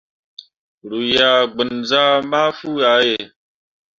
Ru yah gbanzah mafuu ah ye.